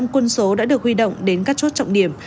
một trăm linh quân số đã được huy động đến các chốt trọng điểm